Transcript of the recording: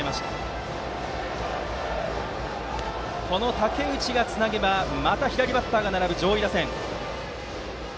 竹内がつなげばまた左バッターが並ぶ上位打線。